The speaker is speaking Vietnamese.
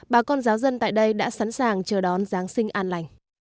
bà con giáo dân tại đây đã sẵn sàng chờ đón giáng sinh an lành